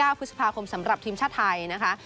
พฤษภาคมสำหรับทีมชาติไทยนะคะ